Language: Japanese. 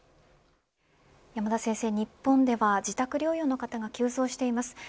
山田先生、日本では自宅療養の方が急増しています。